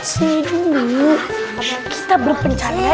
sini dulu kita berpencarian